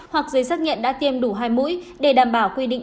hoặc giấy xác nhận đã tiêm đủ hai mũi để đảm bảo quy định